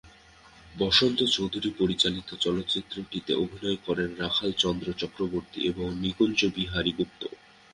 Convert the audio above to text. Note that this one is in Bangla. বসন্ত চৌধুরী পরিচালিত চলচ্চিত্রটিতে অভিনয় করেন রাখালচন্দ্র চক্রবর্তী এবং নিকুঞ্জবিহারী গুপ্ত।